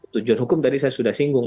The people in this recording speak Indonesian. tujuan hukum tadi saya sudah singgung